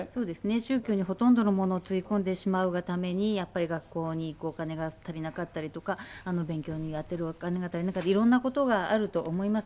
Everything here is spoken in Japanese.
宗教にほとんどのものをつぎ込んでしまうがために、やっぱり学校に行くお金が足りなかったりとか、勉強に充てるお金が足りなかったとか、いろんなことがあると思います。